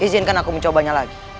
izinkan aku mencobanya lagi